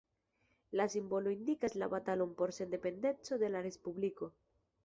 La simbolo indikas la batalon por sendependeco de la respubliko.